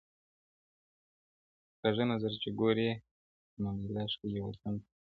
• په کاږه نظر چي ګوري زما لیلا ښکلي وطن ته -